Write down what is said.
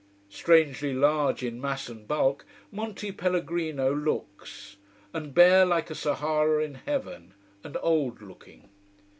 Strangely large in mass and bulk Monte Pellegrino looks: and bare, like a Sahara in heaven: and old looking.